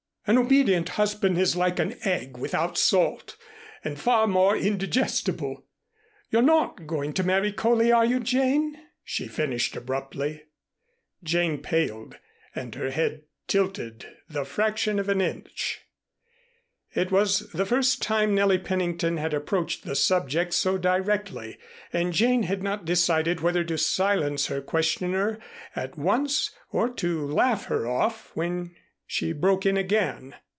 An obedient husband is like an egg without salt and far more indigestible. You're not going to marry Coley, are you, Jane?" she finished abruptly. Jane paled and her head tilted the fraction of an inch. It was the first time Nellie Pennington had approached the subject so directly, and Jane had not decided whether to silence her questioner at once or to laugh her off when she broke in again.